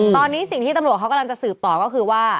ตอนนี้สิ่งที่ตำรวจเขากำลังจะสืบต่อก็คือว่า